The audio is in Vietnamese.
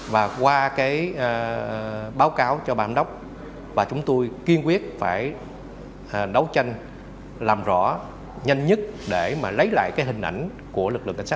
và qua báo cáo cho bà hành đốc chúng tôi kiên quyết phải đấu tranh làm rõ nhanh nhất để lấy lại hình ảnh của lực lượng cảnh sát